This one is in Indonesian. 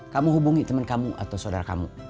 kamu hubungi temen kamu atau sodara kamu